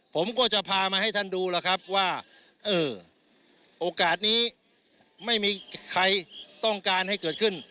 ผมก็จะพามาให้ท่านดูแล้วครับว่าเออโอกาสนี้ไม่มีใครต้องการให้เกิดขึ้น